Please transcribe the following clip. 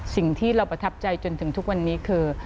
สิ่งที่เราประทับใจจนถึงทุกวันนี้คือ